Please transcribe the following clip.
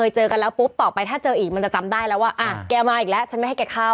จะจำได้แล้วว่าอ่ะแกมาอีกแล้วฉันไม่ให้แกเข้า